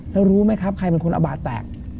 แล้วรู้ไหมครับใครเป็นคนเอาบาดแตก